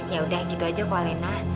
yaudah gitu aja kok alena